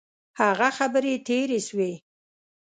هغه خبري تیري سوې.